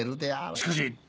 しかし。